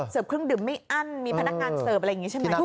เครื่องดื่มไม่อั้นมีพนักงานเสิร์ฟอะไรอย่างนี้ใช่ไหม